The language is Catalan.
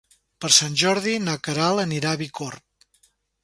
Per Sant Jordi na Queralt anirà a Bicorb.